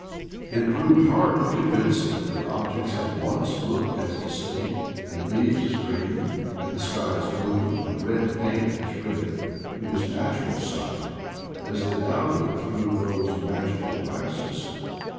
It proved hard to convince Vm that objects had once looked as distinct, and leaves as green, and the sky as blue, and red paint as red, to his natural sight, as they now did through those magical glasses.